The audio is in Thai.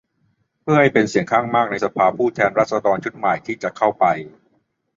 เพื่อให้เป็นเสียงข้างมากในสภาผู้แทนราษฎรชุดใหม่ที่จะเข้าไป